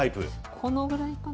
このぐらいかな？